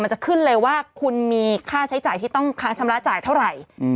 จะขึ้นเลยว่าคุณมีค่าใช้จ่ายที่ต้องค้างชำระจ่ายเท่าไหร่